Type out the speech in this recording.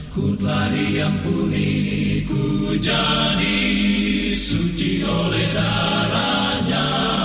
ku telah diampuni ku jadi suci oleh darahnya